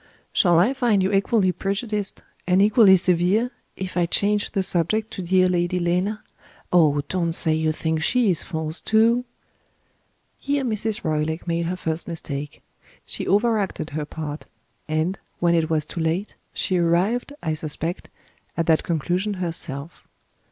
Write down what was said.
Shall I find you equally prejudiced, and equally severe, if I change the subject to dear Lady Lena? Oh, don't say you think She is false, too!" Here Mrs. Roylake made her first mistake. She over acted her part; and, when it was too late, she arrived, I suspect, at that conclusion herself.